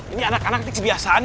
ini anak anak ini kebiasaan nih